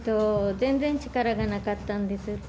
全然力がなかったんですって。